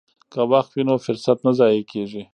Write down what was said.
که وخت وي نو فرصت نه ضایع کیږي.